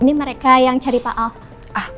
ini mereka yang cari pak ahok